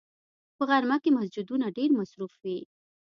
په غرمه کې مسجدونه ډېر مصروف وي